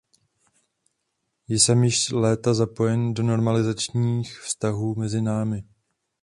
Jsem již léta zapojen do normalizačních vztahů mezi námi.